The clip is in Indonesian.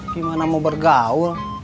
gimana mau bergaul